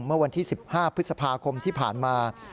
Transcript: เมื่อวันที่๑๕พฤษภาคมที่ผ่านมา